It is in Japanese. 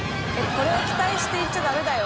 これを期待して行っちゃダメだよ。